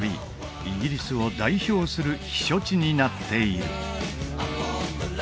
イギリスを代表する避暑地になっている